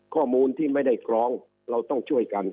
ข้อมูลที่ไม่ได้กรองเราต้องช่วยกัน